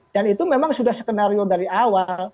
dan itu memang sudah skenario dari awal